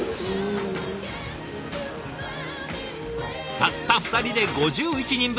たった２人で５１人分。